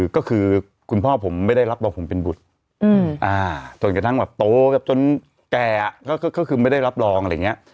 ก็คือคุณพ่อผมไม่ได้รับรองผมเป็นบุตรจนกระทั่งแบบโตแบบจนแก่ก็คือไม่ได้รับรองอะไรอย่างนี้